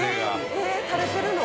えっ垂れてるの？